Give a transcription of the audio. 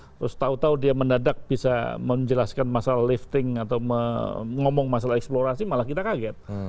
terus tahu tahu dia mendadak bisa menjelaskan masalah lifting atau mengomong masalah eksplorasi malah kita kaget